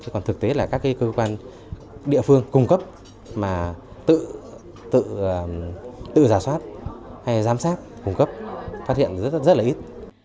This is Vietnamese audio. còn thực tế là các cơ quan địa phương cung cấp mà tự giả soát hay giám sát cung cấp phát hiện rất là ít